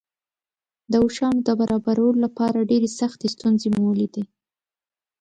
د اوښانو د برابرولو لپاره ډېرې سختې ستونزې مو ولیدې.